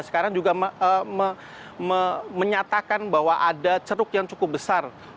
sekarang juga menyatakan bahwa ada ceruk yang cukup besar